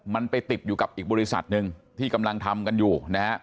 มันไปติดอยู่กับอีกบริษัทหนึ่งที่กำลังทำกันอยู่นะฮะ